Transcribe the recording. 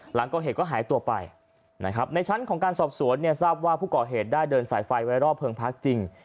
หลังก่อเหตุก็หายตัวไปนะครับในชั้นของการสอบสวนเนี่ยทราบว่าผู้ก่อเหตุได้เดินสายไฟไว้รอบเพลิงพักจริง